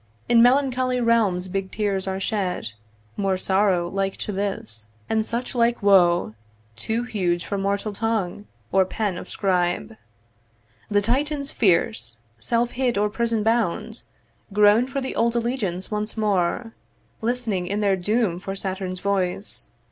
'In melancholy realms big tears are shed, 'More sorrow like to this, and such like woe, 'Too huge for mortal tongue, or pen of scribe. 'The Titans fierce, self hid or prison bound, 'Groan for the old allegiance once more, 'Listening in their doom for Saturn's voice.